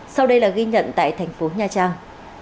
sau đây là ghi nhận tại thành phố nha trang